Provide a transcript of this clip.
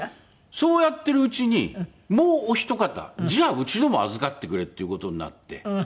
そうやってるうちにもうお一方じゃあうちのも預かってくれっていう事になって。